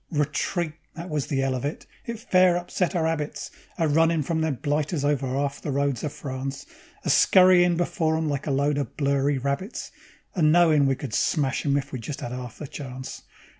Retreat! That was the 'ell of it. It fair upset our 'abits, A runnin' from them blighters over 'alf the roads of France; A scurryin' before 'em like a lot of blurry rabbits, And knowin' we could smash 'em if we just 'ad 'alf a chance.